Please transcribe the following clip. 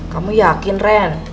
kamu yakin ren